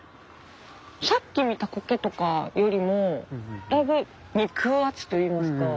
さっき見たコケとかよりもだいぶ肉厚といいますか。